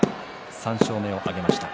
３勝目を挙げました。